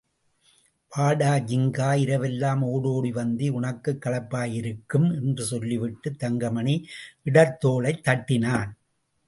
வாடா ஜின்கா, இரவெல்லாம் ஓடோடி வந்தது உனக்குக் களைப்பாய் இருக்கும் என்று சொல்லிவிட்டுத் தங்கமணி இடத்தோளைத் தட்டினான்.